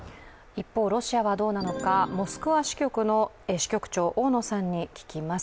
一方、ロシアはどうなのかモスクワ支局の支局長大野さんに聞きます。